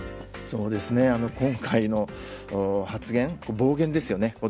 そうですね、今回の発言、暴言ですよね。